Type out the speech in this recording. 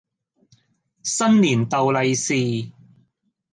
新年逗利是